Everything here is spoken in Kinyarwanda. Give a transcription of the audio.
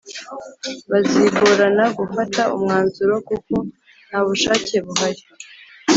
Bizagorana gufata umwanzuro kuko ntabushake buhari